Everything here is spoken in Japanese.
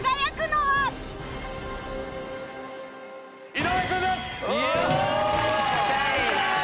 井上君です！